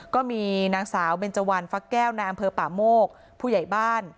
ก็มีนางสาวเบนเจวันฟักแก้วในอำเภอป่าโมกผู้ใหญ่บ้าน